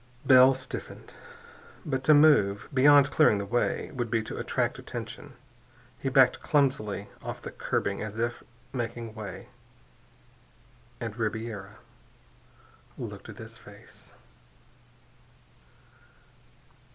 Bell stiffened. But to move, beyond clearing the way, would be to attract attention. He backed clumsily off the curbing as if making way.... And Ribiera looked at his face.